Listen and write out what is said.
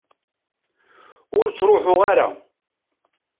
Ur ttruḥuɣ ara.